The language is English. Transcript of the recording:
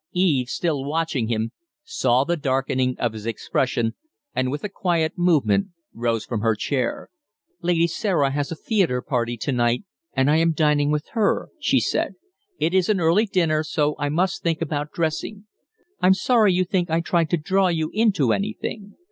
Eve, still watching him, saw the darkening of his expression, and with a quiet movement rose from her chair. "Lady Sarah has a theatre party to night, and I am dining with her," she said. "It is an early dinner, so I must think about dressing. I'm sorry you think I tried to draw you into anything.